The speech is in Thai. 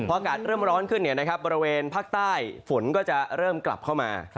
พออากาศเริ่มร้อนขึ้นเนี่ยนะครับบริเวณภาคใต้ฝนก็จะเริ่มกลับเข้ามา